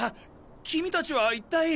キミたちは一体。